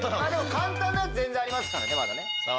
簡単なやつ全然ありますからね。